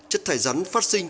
chất thải rắn phát sinh